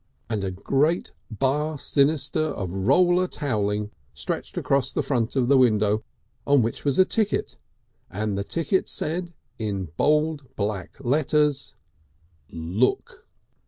And a great bar sinister of roller towelling stretched across the front of the window on which was a ticket, and the ticket said in bold black letters: "LOOK!"